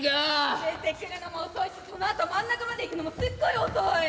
出てくるのも遅いしそのあと真ん中まで行くのもすっごい遅い！